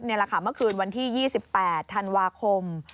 ในราคาเมื่อคืนวันที่๒๘ธันวาคม